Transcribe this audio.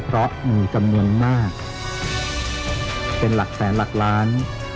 เพราะมีจำนวนมากเป็นหลักแสนหลักล้าน